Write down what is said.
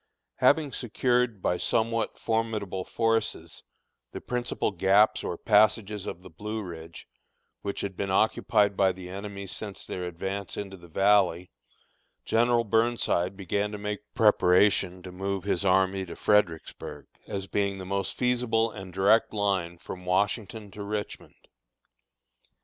Having secured, by somewhat formidable forces, the principal gaps or passages of the Blue Ridge, which had been occupied by the enemy since their advance into the Valley, General Burnside began to make preparations to move his army to Fredericksburg, as being the most feasible and direct line from Washington to Richmond.